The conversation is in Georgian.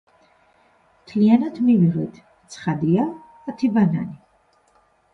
მთლიანად მივიღეთ, ცხადია, ათი ბანანი.